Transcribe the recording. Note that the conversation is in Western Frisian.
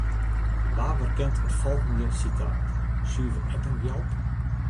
Wa werkent it folgjende sitaat, suver ek in gjalp?